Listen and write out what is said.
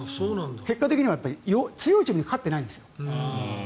結果的には強いチームに勝ってないんです。